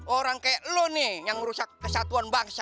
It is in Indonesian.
orang kayak lo nih yang merusak kesatuan bangsa